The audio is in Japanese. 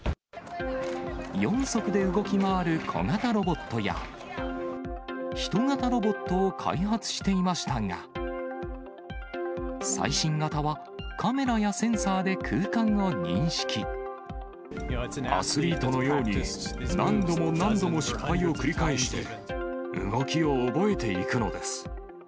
４足で動き回る小型ロボットや、人型ロボットを開発していましたが、最新型は、カメラやセンサーアスリートのように、何度も何度も失敗を繰り返して、動きを覚えていくのです。